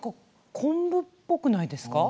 昆布っぽくないですか？